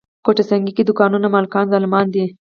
ګوته سنګي کې دوکانونو مالکان ظالمان دي.